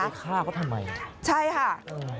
จะไปฆ่าก็ทำไมใช่ค่ะ